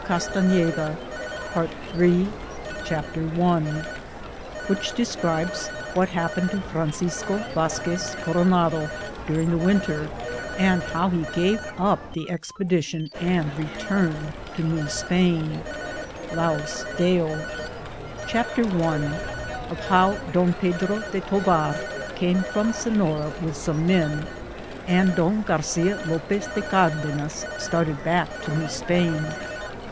ligirized I:, G00gk' THIRD PART Which Descbibes What Happened to Francisco Vazquez Cokonado Dubing THE WlNTEE, AND HOW He GAVE UP the Expedition and Retuened to New Spain. Laua Deo. CHAPTER I Of bow Don Pedro de Tovar came from Sefiore with some men, and Don Garcia Lopez de Cardenas started back to New Spain.